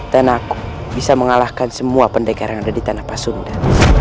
dan aku bisa mengalahkan semua pendekar yang ada di tanah pasunda